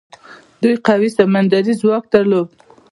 دوی قوي سمندري ځواک درلود.